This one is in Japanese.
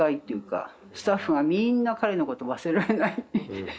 スタッフがみんな彼のことを忘れられない。